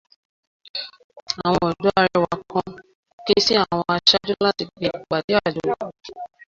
Àwọn ọdọ́ Arẹwà kan ké sí àwọn aṣáájú láti pe ìpàdé àjọ